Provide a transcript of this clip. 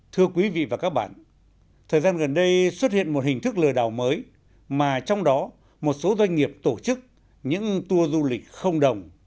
thưa quý vị và các bạn thời gian gần đây xuất hiện một hình thức lừa đảo mới mà trong đó một số doanh nghiệp tổ chức những tour du lịch không đồng